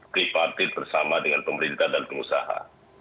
privatin bersama dengan pemerintah dan pengusaha